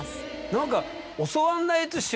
何か。